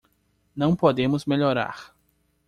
Não podemos melhorar